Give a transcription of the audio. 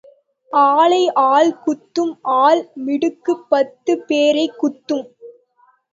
ஆளை ஆள் குத்தும் ஆள் மிடுக்குப் பத்துப் பேரைக் குத்தும்.